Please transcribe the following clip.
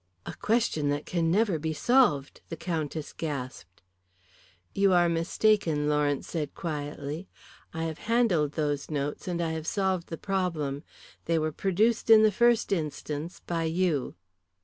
"A question that can never be solved," the Countess gasped. "You are mistaken," Lawrence said quietly, "I have handled those notes, and I have solved the problem. They were produced in the first instance by you."